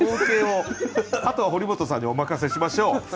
あとは堀本さんにお任せしましょう。